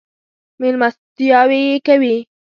مېلمستیاوې یې کوي.